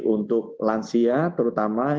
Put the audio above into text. untuk lansia terutama